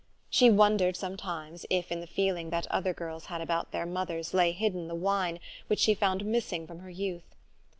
She wondered sometimes, if in the feeling that other girls had about their mothers lay hidden the wine which she found missing from her youth.